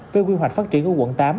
với quy hoạch phát triển ở quận tám